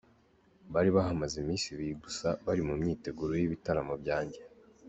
Bari bahamaze iminsi ibiri gusa bari mu myiteguro y’ibitaramo byanjye”.